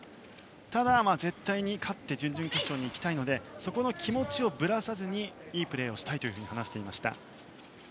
ただ、絶対に勝って準々決勝に行きたいのでそこの気持ちをぶらさずにいいプレーをしたいと話していました。